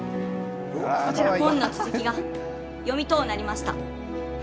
本の続きが読みとうなりました。